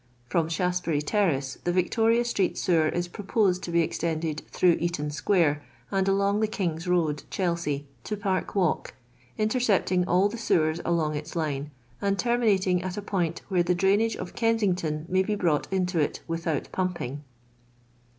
From Shaftesbury ter race the Victoria street sewer is proposed to be extended through Eaton square and along tbe King's road, Chelsea, to Park walk, intercepting all the sewers along its line, and terminating at a point where the drainage of Kensington may be iarought into it without pumping."